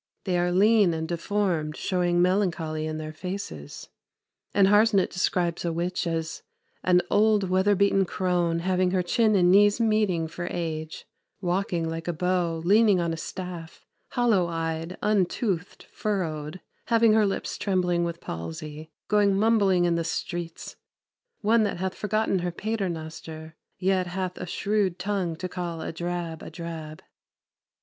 They are leane and deformed, showing melancholie in their faces;" and Harsnet describes a witch as "an old weather beaten crone, having her chin and knees meeting for age, walking like a bow, leaning on a staff, hollow eyed, untoothed, furrowed, having her lips trembling with palsy, going mumbling in the streets; one that hath forgotten her Pater noster, yet hath a shrewd tongue to call a drab a drab."